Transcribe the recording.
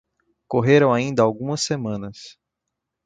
Correram ainda algumas semanas.